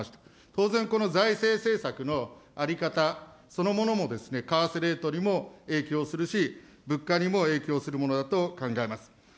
当然、この財政政策の在り方、そのものもですね、為替レートにも影響するし、物価にも影響するものだと考えます。